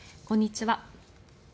こんにちは。